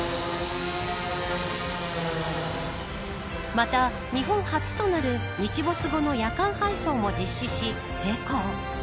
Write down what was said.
また、日本初となる日没後の夜間配送も実施し成功。